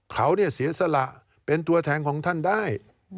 เขาเสียสละเป็นตัวแทนของท่านได้